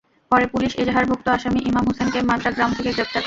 পরে পুলিশ এজাহারভুক্ত আসামি ইমাম হোসেনকে মাদ্রা গ্রাম থেকে গ্রেপ্তার করে।